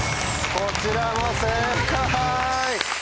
こちらも正解。